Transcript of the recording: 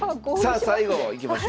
さあ最後いきましょう。